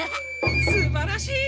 すばらしい！